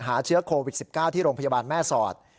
หาเชื้อโควิด๑๙ที่โรงพยาบาลแม่สอด